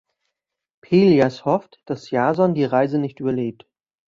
Pelias hofft, dass Jason die Reise nicht überlebt.